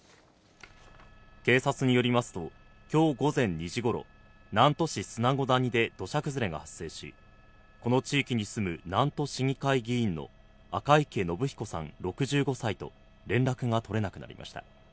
警察によりますと、きょう午前２時ごろ、南砺市砂子谷で土砂崩れが発生し、この地域に住む南砺市議会議員の赤池伸彦さん６５歳と連絡が取れなくなりました。